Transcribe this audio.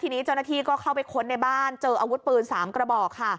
ทีนี้เจ้าหน้าที่ก็เข้าไปค้นในบ้านเจออาวุธปืน๓กระบอกค่ะ